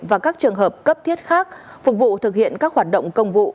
và các trường hợp cấp thiết khác phục vụ thực hiện các hoạt động công vụ